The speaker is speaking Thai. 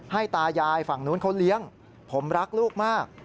ตายายฝั่งนู้นเขาเลี้ยงผมรักลูกมาก